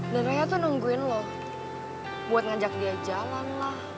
dan raya tuh nungguin lo buat ngajak dia jalan lah